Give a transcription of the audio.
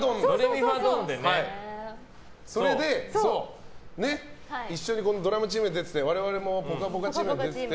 それで、一緒にドラマチームで出てて我々も「ぽかぽか」チームで出てて。